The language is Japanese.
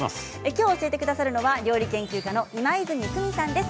きょう、教えてくださるのは料理研究家の今泉久美さんです。